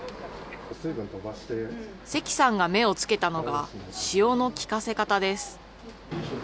関さんが目をつけたのが、塩のきかせ方です。